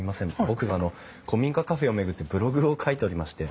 僕あの古民家カフェを巡ってブログを書いておりまして。